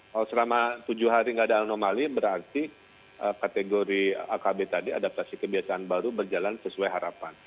kalau selama tujuh hari tidak ada anomali berarti kategori akb tadi adaptasi kebiasaan baru berjalan sesuai harapan